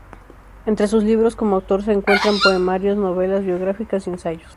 Entre sus libros como autor se encuentran poemarios, novelas, biografías y ensayos.